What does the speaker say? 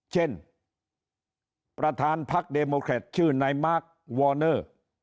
เช่นประธานพักษ์เดโมครัฐชื่อไนมาร์ควอร์เนอร์